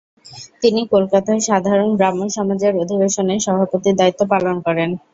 তিনি কলকাতায় সাধারণ ব্রাহ্ম সমাজের অধিবেশনে সভাপতির দায়িত্ব পালন করেন।